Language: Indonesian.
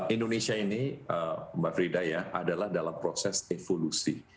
indonesia ini mbak frida ya adalah dalam proses evolusi